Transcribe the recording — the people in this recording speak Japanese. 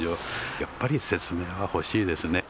やっぱり説明はほしいですね。